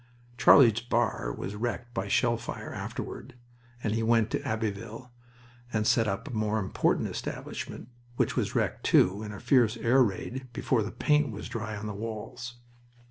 Charlie's bar was wrecked by shell fire afterward, and he went to Abbeville and set up a more important establishment, which was wrecked, too, in a fierce air raid, before the paint was dry on the walls.